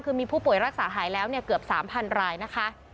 คือมีผู้ป่วยรักษาหายแล้วเกือบ๓๐๐รายนะคะ